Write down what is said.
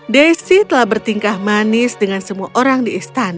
desi telah bertingkah manis dengan semua orang di istana